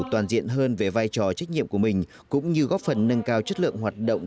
toàn diện hơn về vai trò trách nhiệm của mình cũng như góp phần nâng cao chất lượng hoạt động